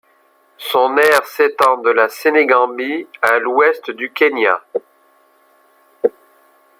Son aire s'étend de la Sénégambie à l'ouest du Kenya.